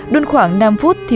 đun khoảng năm phút